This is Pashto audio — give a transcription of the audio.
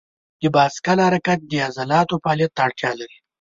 د بایسکل حرکت د عضلاتو فعالیت ته اړتیا لري.